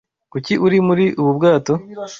Kuki uri muri ubu bwato?